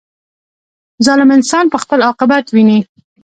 • ظالم انسان به خپل عاقبت ویني.